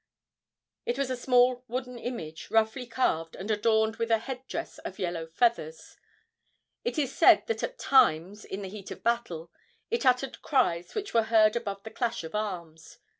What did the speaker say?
It was a small wooden image, roughly carved, and adorned with a head dress of yellow feathers. It is said that at times, in the heat of battle, it uttered cries which were heard above the clash of arms.